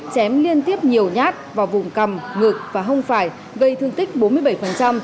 chém liên tiếp nhiều nhát vào vùng cầm ngực và hông phải gây thương tích bốn mươi bảy